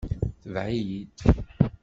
Tbeɛ-iyi-d.